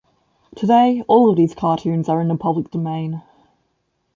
Today, all of these cartoons are in the public domain.